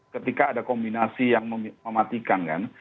ketika ada kombinasi yang mematikan kan